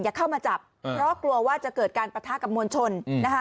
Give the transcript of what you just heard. เข้ามาจับเพราะกลัวว่าจะเกิดการปะทะกับมวลชนนะคะ